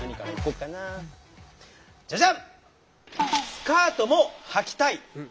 「スカートもはきたい」。